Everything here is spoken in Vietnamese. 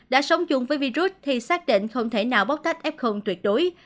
đã sống chung với virus thì xác định không thể nào bóc tách f tuyệt đối